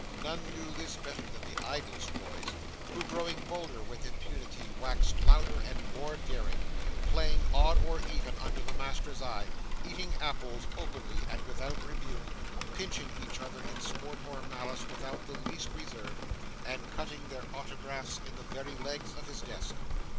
None knew this better than the idlest boys, who, growing bolder with impunity, waxed louder and more daring; playing odd or even under the master's eye, eating apples openly and without rebuke, pinching each other in sport or malice without the least reserve, and cutting their autographs in the very legs of his desk.